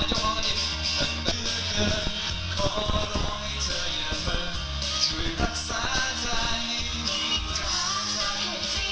ความรักของเราจะคงอยู่แสนหลัง